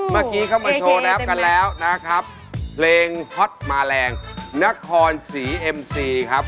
เข้ามาโชว์น้ำกันแล้วนะครับเพลงฮอตมาแรงนครศรีเอ็มซีครับ